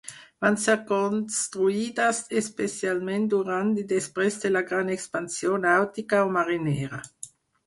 Van ser construïdes especialment durant i després de la gran expansió nàutica o marinera.